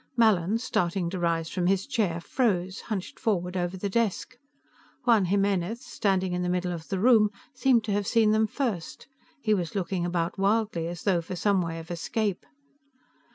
Mallin, starting to rise from his chair, froze, hunched forward over the desk. Juan Jimenez, standing in the middle of the room, seemed to have seen them first; he was looking about wildly as though for some way of escape.